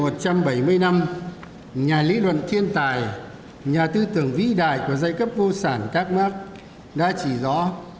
trong một trăm bảy mươi năm nhà lý luận thiên tài nhà tư tưởng vĩ đại của giai cấp vô sản các mark đã chỉ rõ